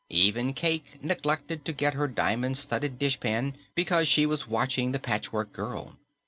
Even Cayke neglected to get her diamond studded dishpan because she was watching the Patchwork Girl.